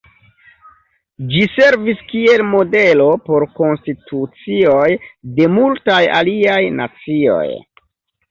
Ĝi servis kiel modelo por konstitucioj de multaj aliaj nacioj.